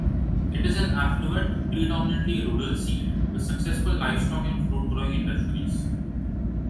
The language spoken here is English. It is an affluent, predominantly rural seat with successful livestock and fruit-growing industries.